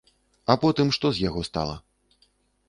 А потым што з яго стала?